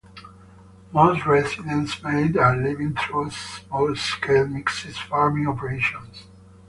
Most residents made their living through small-scale mixed farming operations.